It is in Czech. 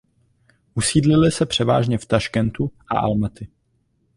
Usídlili se převážně v Taškentu a Almaty.